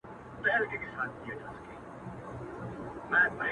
هم مُلا هم گاونډیانو ته منلی٫